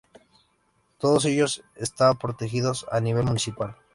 Todos ellos está protegidos a nivel municipal.